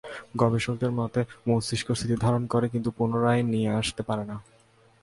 গবষকদের মতে, মস্তিষ্ক স্মৃতি ধারণ করে, কিন্তু পুনরায় নিয়ে আসতে পারে না।